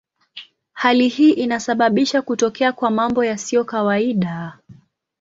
Hali hii inasababisha kutokea kwa mambo yasiyo kawaida.